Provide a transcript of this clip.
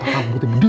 kamu butuh mendi